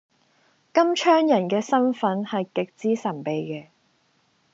金槍人嘅身份係極之神秘嘅